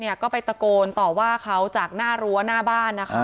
ก็ไปตะโกนต่อว่าเขาจากหน้ารั้วหน้าบ้านนะคะ